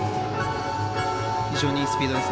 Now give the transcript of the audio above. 非常にいいスピードです。